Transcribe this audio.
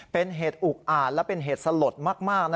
เป็นเหตุอุกอ่านและเป็นเหตุสลดมาก